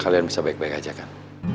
kalian bisa baik baik aja kan